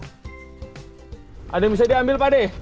ada yang bisa diambil pak deh